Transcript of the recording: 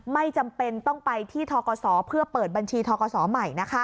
ไม่จำเป็นต้องไปที่ทกศเพื่อเปิดบัญชีทกศใหม่